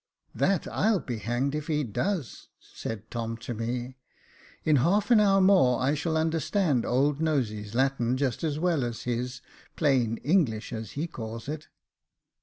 " That I'll be hanged if he does," said Tom to me. In half an hour more, I shall understand Old Nosey's Latin just as well as his — plain English, as he calls it."